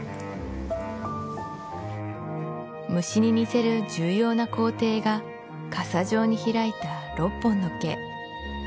虫に似せる重要な工程が傘状に開いた６本の毛